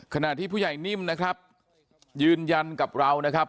ขณะที่ผู้ใหญ่นิ่มนะครับยืนยันกับเรานะครับ